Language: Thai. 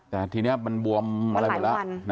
แต่ทีนี้มันบวมวันหลายวัน